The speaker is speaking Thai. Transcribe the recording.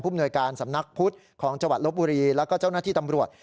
มนวยการสำนักพุทธของจังหวัดลบบุรีแล้วก็เจ้าหน้าที่ตำรวจ